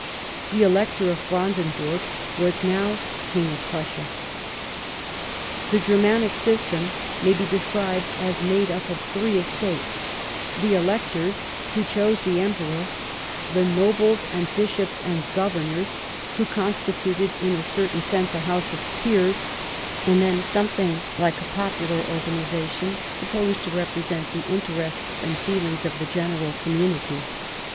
The Elector of Brandenburg was now King of Prussia. The Germanic system may be described as made up of three estates — ^the electors, who chose the emperor ; the nobles and bishops and governors, who constituted in a certain sense a House of Peers; and then something like a popular organization supposed to represent the inter ests and the feelings of the general community.